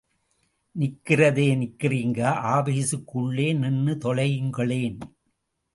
நிற்கறதே நிற்கிறீங்க ஆபீஸுக்கு உள்ளே நின்னு தொலையுங்களேன்.